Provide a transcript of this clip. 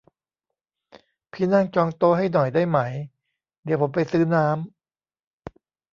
พี่นั่งจองโต๊ะให้หน่อยได้ไหม เดี๋ยวผมไปซื้อน้ำ